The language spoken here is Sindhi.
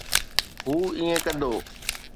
هو ائين ڪندو.